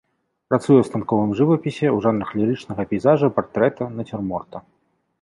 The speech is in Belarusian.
Працуе ў станковым жывапісе ў жанрах лірычнага пейзажа, партрэта, нацюрморта.